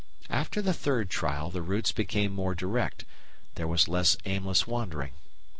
After the third trial, the routes became more direct, there was less aimless wandering.